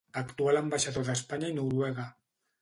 Actual ambaixador d'Espanya a Noruega.